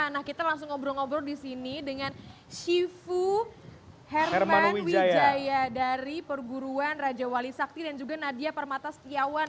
nah kita langsung ngobrol ngobrol di sini dengan shifu herman wijaya dari perguruan raja wali sakti dan juga nadia permata setiawan